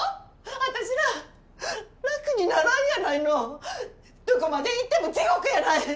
私ら楽にならんやないのどこまで行っても地獄やない！